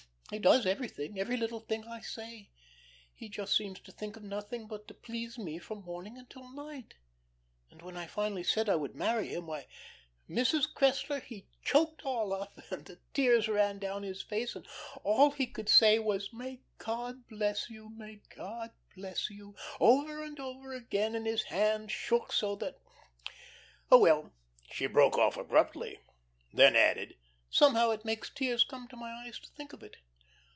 He does everything, every little thing I say. He just seems to think of nothing else but to please me from morning until night. And when I finally said I would marry him, why, Mrs. Cressler, he choked all up, and the tears ran down his face, and all he could say was, 'May God bless you! May God bless you!' over and over again, and his hand shook so that Oh, well," she broke off abruptly. Then added, "Somehow it makes tears come to my eyes to think of it."